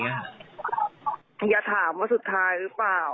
อยากจะถามว่าสุดท้ายหรือเปล่า